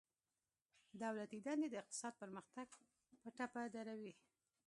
دولتي دندي د اقتصاد پرمختګ په ټپه دروي